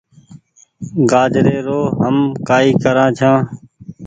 گآجري رو هم ڪآئي ڪرآن ڇآن ۔